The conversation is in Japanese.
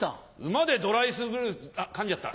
馬でドライスルあっかんじゃった。